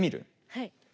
はい。